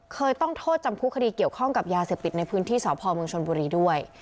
เคยต้องโทษจำคุกคดีเกี่ยวข้องกับยาเสพติดในพื้นที่สพเมืองชนบุรีด้วย